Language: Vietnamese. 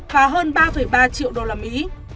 và hơn ba ba triệu đô la mỹ